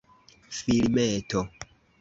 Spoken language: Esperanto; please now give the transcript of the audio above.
filmeto